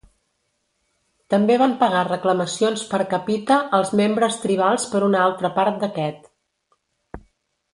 També van pagar reclamacions per capita als membres tribals per una altra part d'aquest